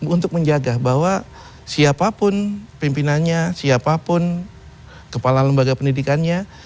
untuk menjaga bahwa siapapun pimpinannya siapapun kepala lembaga pendidikannya